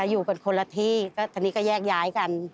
แต่อยู่เป็นคนละที่ก็ทีนี้ก็แยกย้ายกัน